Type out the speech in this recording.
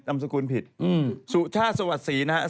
อำสคุณผิดสุชาติสวัสดิ์นะฮะ